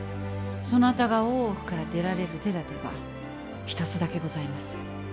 そなたが大奥から出られる手だてが一つだけございます。